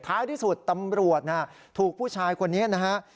ท้ายที่สุดตำรวจถูกผู้ชายคนนี้นะฮะ